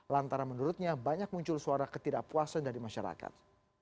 lantaran menurutnya banyak muncul suara ketidakpuasan dari masyarakat